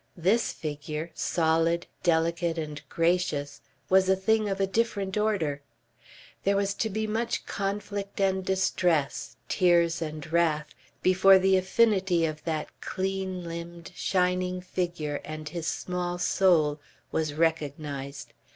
This figure, solid, delicate and gracious, was a thing of a different order. There was to be much conflict and distress, tears and wrath, before the affinity of that clean limbed, shining figure and his small soul was recognized.